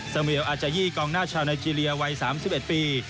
สมิวอาจ่ายีกองหน้าชาวนาจิลียาวัย๓๑ปี